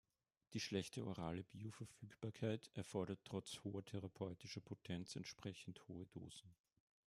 Die schlechte orale Bioverfügbarkeit erfordert trotz hoher therapeutischer Potenz entsprechend hohe Dosen.